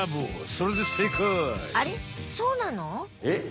そうなの？